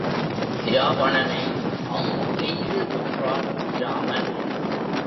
இராவணனை அம்பு எய்து கொன்றான் இராமன்.